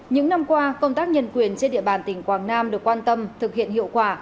những năm qua công tác nhân quyền trên địa bàn tỉnh quảng nam được quan tâm thực hiện hiệu quả